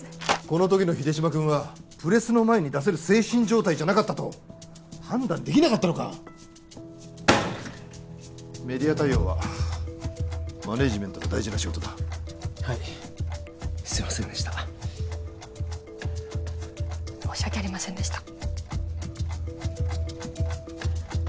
この時の秀島君はプレスの前に出せる精神状態じゃなかったと判断できなかったのかメディア対応はマネージメントの大事な仕事だはいすいませんでした申し訳ありませんでした